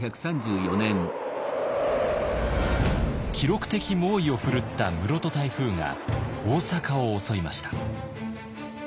記録的猛威を振るった室戸台風が大阪を襲いました。